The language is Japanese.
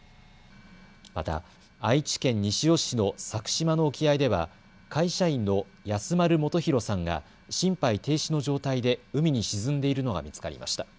また愛知県西尾市の佐久島の沖合では会社員の安丸元浩さんが心肺停止の状態で海に沈んでいるのが見つかりました。